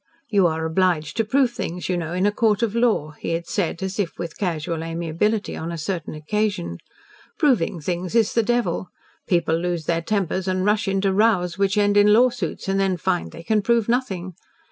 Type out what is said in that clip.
"You are obliged to prove things, you know, in a court of law," he had said, as if with casual amiability, on a certain occasion. "Proving things is the devil. People lose their tempers and rush into rows which end in lawsuits, and then find they can prove nothing.